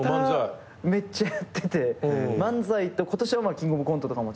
めっちゃやってて漫才と今年はキングオブコントとかもちょっと出て。